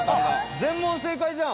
全問正解じゃん！